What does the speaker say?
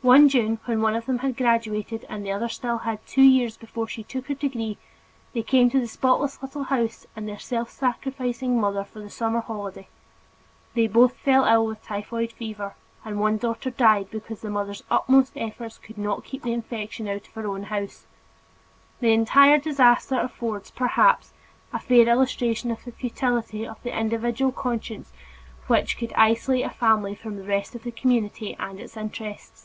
One June when one of them had graduated and the other still had two years before she took her degree, they came to the spotless little house and their self sacrificing mother for the summer holiday. They both fell ill with typhoid fever and one daughter died because the mother's utmost efforts could not keep the infection out of her own house. The entire disaster affords, perhaps, a fair illustration of the futility of the individual conscience which would isolate a family from the rest of the community and its interests.